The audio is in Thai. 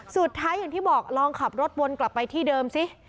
สุดท้ายอย่างที่บอกลองขับรถวนกลับไปที่เดิมซิ